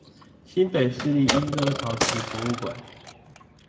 新北市立鶯歌陶瓷博物館